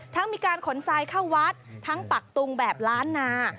มีการขนทรายเข้าวัดทั้งปักตุงแบบล้านนา